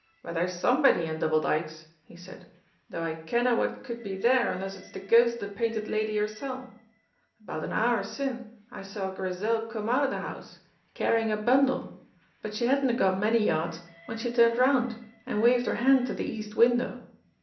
"But there's somebody in Double Dykes," he said, "though I kenna wha could be there unless it's the ghost of the Painted Lady hersel'. About an hour syne I saw Grizel come out o' the house, carrying a bundle, but she hadna gone many yards when she turned round and waved her hand to the east window.